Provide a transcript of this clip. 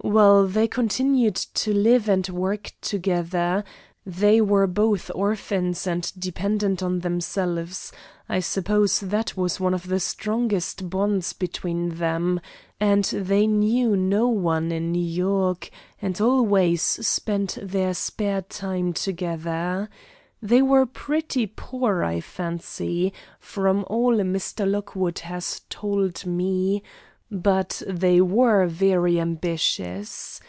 Well, they continued to live and work together. They were both orphans and dependent on themselves. I suppose that was one of the strongest bonds between them; and they knew no one in New York, and always spent their spare time together. They were pretty poor, I fancy, from all Mr. Lockwood has told me, but they were very ambitious.